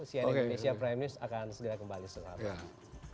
sian indonesia prime news akan segera kembali setelah ini